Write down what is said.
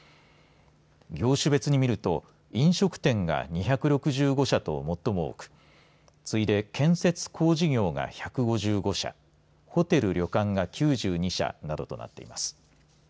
業種別に見ると飲食店が２６５社と最も多く次いで建設・工事業が１５５社ホテル・旅館が９２社などとなっています。